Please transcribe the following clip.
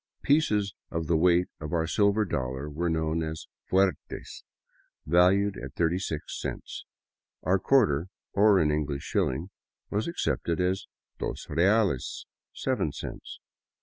Pieces of the weight of our silver dollar were known as fuertes, and valued at 36 cents. Our quarter, or an English shilling, was accepted as " dos reales," — seven cents.